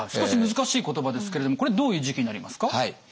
少し難しい言葉ですけれどもこれどういう時期になりますか？